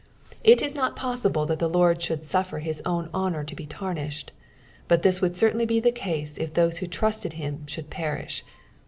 It is not poauible thut the Lord should suffer his own honour to be tamiiihed, but this would certainl; b« the case it tliuae who trusted him should perish.